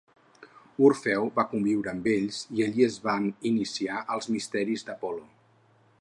Orfeu va conviure amb ells i allí es van iniciar els misteris d'Apol·lo.